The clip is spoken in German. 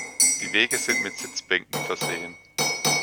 Die Wege sind mit Sitzbänken versehen.